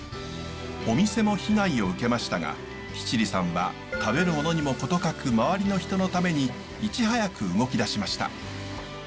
お店も被害を受けましたが七里さんは食べる物にも事欠く周りの人のためにいち早く動き出しました。